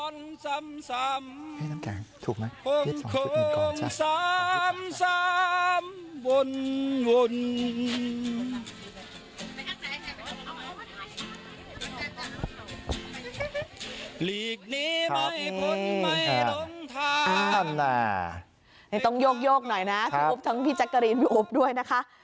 นี่ครับนี่ต้องโยกหน่อยนะครับทั้งพี่จักรีนพี่อบด้วยนะคะ